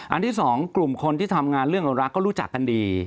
ที่สองกลุ่มคนที่ทำงานเรื่องเรารักก็รู้จักกันดี